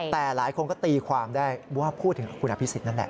แต่หลายคนก็ตีความได้ว่าพูดถึงคุณอภิษฎนั่นแหละ